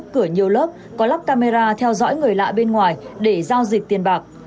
cửa nhiều lớp có lắp camera theo dõi người lạ bên ngoài để giao dịch tiền bạc